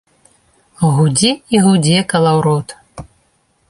Гудзе і гудзе калаўрот.